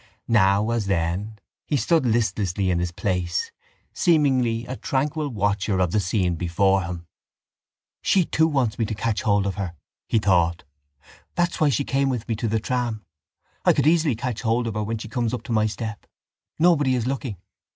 Now, as then, he stood listlessly in his place, seemingly a tranquil watcher of the scene before him. —She too wants me to catch hold of her, he thought. That's why she came with me to the tram. I could easily catch hold of her when she comes up to my step: nobody is looking.